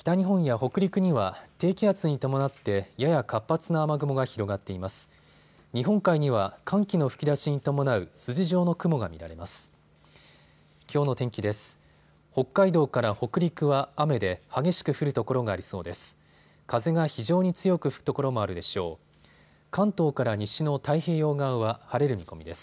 北海道から北陸は雨で激しく降る所がありそうです。